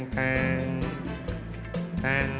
ตั่ง